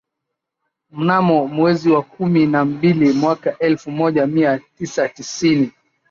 mnamo mwezi wa kumi na mbili mwaka elfu moja mia tisa tisini